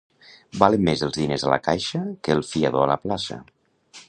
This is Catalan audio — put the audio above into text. Valen més els diners a la caixa que el fiador a la plaça.